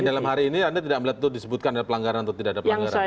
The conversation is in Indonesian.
dalam hari ini anda tidak melihat itu disebutkan ada pelanggaran atau tidak ada pelanggaran